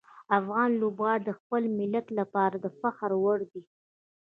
افغان لوبغاړي د خپل ملت لپاره د فخر وړ دي.